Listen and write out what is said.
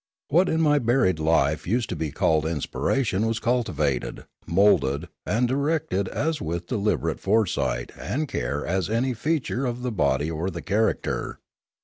What in my buried life used to be called inspiration was cultivated, moulded, and directed with as deliberate foresight and care as any feature of the body or the character.